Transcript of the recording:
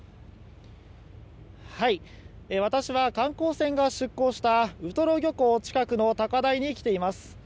私は観光船が出港したウトロ漁港近くの高台に来ています。